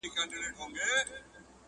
پر لویانو کشرانو باندي گران وو.!